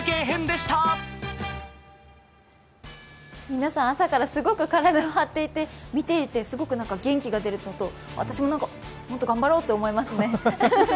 皆さん、朝からすごく体を張っていて、見ていてすごく元気が出るかと、私も本当頑張ろうと思いますね。